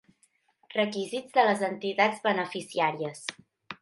Requisits de les entitats beneficiàries.